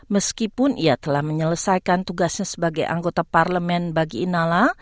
meskipun ia telah menyelesaikan tugasnya sebagai anggota parlemen bagi inala